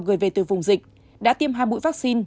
gửi về từ vùng dịch đã tiêm hai mũi vaccine